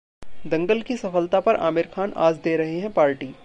'दंगल' की सफलता पर आमिर खान आज दे रहे हैं पार्टी